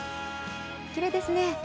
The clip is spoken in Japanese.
きれいですね。